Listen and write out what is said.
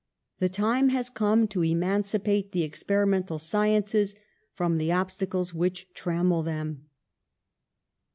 The time has come to emancipate the experimental sciences from the obstacles which trammel them.''